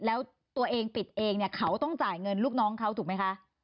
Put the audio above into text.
แล้วตัวเองปิดเองเนี่ยเขาต้องจ่ายเงินลูกน้องเขาถูกไหมคะ